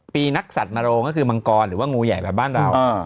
ปีนักสัตว์มโรงก็คือมังกรหรือว่างูใหญ่แบบบ้านเรา